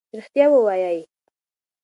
ریښتیا ووایئ.